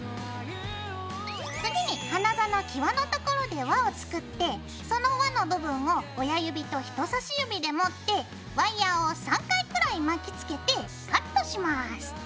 次に花座のきわのところで輪を作ってその輪の部分を親指と人さし指で持ってワイヤーを３回くらい巻きつけてカットします。